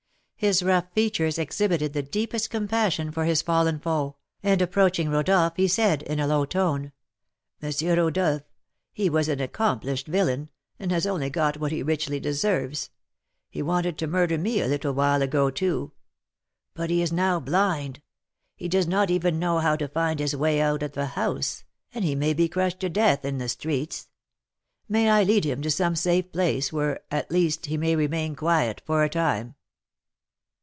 His rough features exhibited the deepest compassion for his fallen foe, and approaching Rodolph, he said, in a low tone: "M. Rodolph, he was an accomplished villain, and has only got what he richly deserves; he wanted to murder me a little while ago, too. But he is now blind, he does not even know how to find his way out of the house, and he may be crushed to death in the streets; may I lead him to some safe place, where, at least, he may remain quiet for a time?"